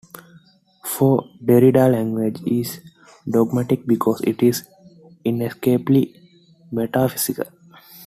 For Derrida language is dogmatic because it is inescapably metaphysical.